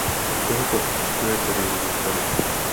U tohoto postoje tedy zůstanu.